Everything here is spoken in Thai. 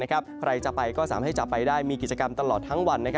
ใครจะไปก็สามารถที่จะไปได้มีกิจกรรมตลอดทั้งวัน